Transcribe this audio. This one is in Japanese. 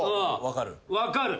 ・分かる？